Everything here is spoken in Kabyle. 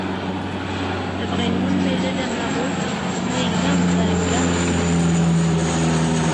Lebɣi-nwen ma yella d amaɣud, ma yella d aheggar beggnet-t-id